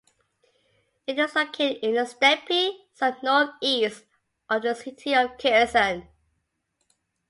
It is located in the steppe some northeast of the city of Kherson.